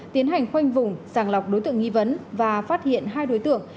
tiến hành khoanh vùng sàng lọc đối tượng nghi vấn và phát hiện hai đối tượng